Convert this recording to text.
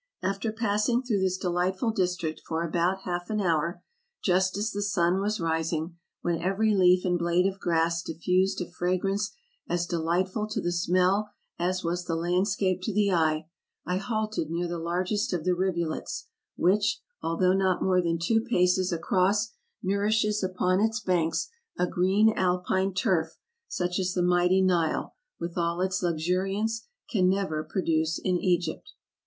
After passing through this delightful district for about half an hour, just as the sun was rising, when every leaf and blade of grass diffused a fragrance as delightful to the smell as was the landscape to the eye, I halted near the largest of the rivulets, which, although not more than two paces across, nourishes upon its banks a green alpine turf such as the mighty Nile, with all its luxuriance, can never produce in Egypt.